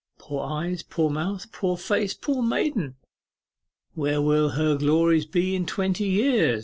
Poor eyes, poor mouth, poor face, poor maiden! "Where will her glories be in twenty years?"